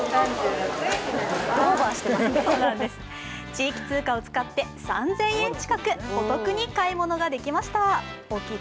地域通貨を使って３０００円近くお得に買い物ができました。